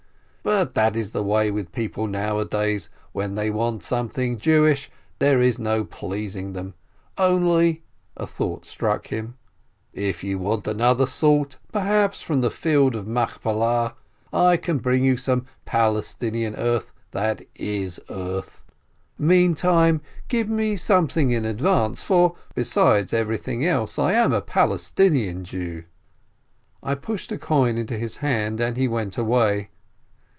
But that is the way with people nowadays, when they want something Jewish, there is no pleasing them! Only" (a thought struck him) "if you want another sort, perhaps from the field of Machpelah, I can bring you some Palestinian earth that is earth. Mean time give me something in advance, for, besides every thing else, I am a Palestinian Jew." I pushed a coin into his hand, and he went away.